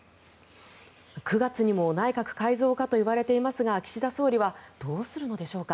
９月にも内閣改造かといわれていますが岸田総理はどうするのでしょうか。